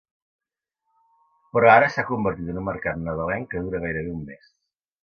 Però ara s’ha convertit en un mercat nadalenc que dura gairebé un mes.